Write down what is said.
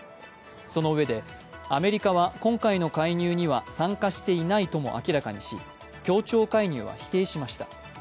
そのうえで、アメリカは今回の介入には参加していないとも明らかにし協調介入は否定しました。